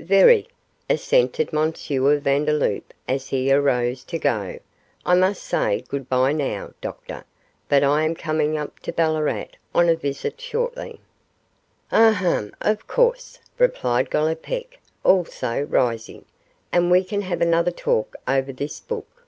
'Very,' assented M. Vandeloup, as he arose to go, 'I must say good bye now, doctor; but I am coming up to Ballarat on a visit shortly.' 'Ah, hum! of course,' replied Gollipeck, also rising, 'and we can have another talk over this book.